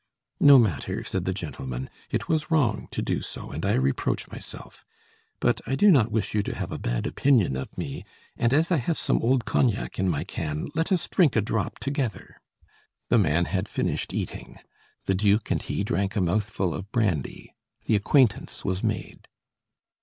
"No matter," said the gentleman, "it was wrong to do so, and I reproach myself. But I do not wish you to have a bad opinion of me, and as I have some old cognac in my can, let us drink a drop together." The man had finished eating. The duke and he drank a mouthful of brandy; the acquaintance was made.